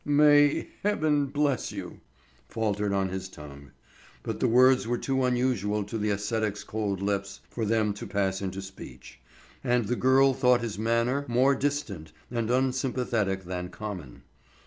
"May Heaven bless you!" faltered on his tongue; but the words were too unusual to the ascetic's cold lips for them to pass into speech, and the girl thought his manner more distant and unsympathetic than common.